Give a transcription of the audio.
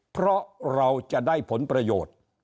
เพราะเราจะได้ผลประโยชน์